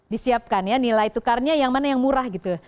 disiapkan ya nilai tukarnya yang mana yang murah gitu